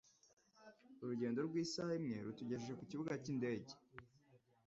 Urugendo rw'isaha imwe rwatugejeje ku kibuga cy'indege.